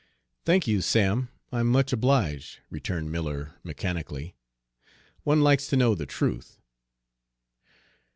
"Thank you, Sam, I'm much obliged," returned Miller mechanically. "One likes to know the truth."